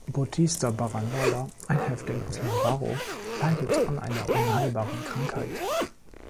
Bautista Barandalla, ein Häftling aus Navarro, leidet an einer unheilbaren Krankheit.